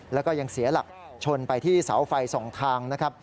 แล้วก็ยังเสียหลักชนไปที่เสาไฟสองทางนะครับ